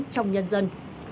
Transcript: trong nhân dân